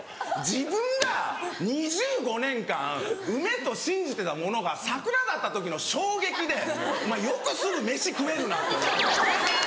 自分が２５年間梅と信じてたものが桜だった時の衝撃でお前よくすぐ飯食えるなって思って。